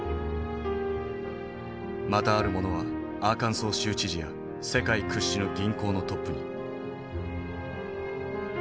またある者はアーカンソー州知事や世界屈指の銀行のトップに。